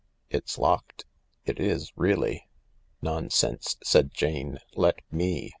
" It's locked. It is, really." "Nonsense," said Jane, "let me."